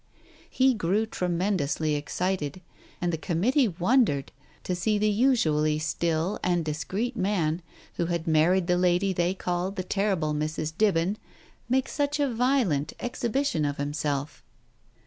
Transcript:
He grew tremendously excited, and the Committee wondered to see the usually still and discreet man, who had married the lady they called the terrible Mrs. Dibben, make such a violent exhibition of himself.